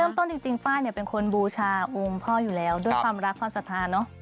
เริ่มต้นจริงจริงฟ้าเนี้ยเป็นคนบูชาอุมพ่ออยู่แล้วด้วยความรักความสะทานเนอะ